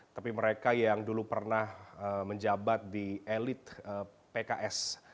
tapi mereka yang dulu pernah menjabat di elit pks